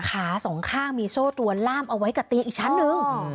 สองข้างมีโซ่ตัวล่ามเอาไว้กับเตียงอีกชั้นนึง